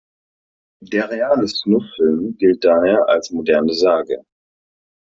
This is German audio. Der reale Snuff-Film gilt daher als moderne Sage.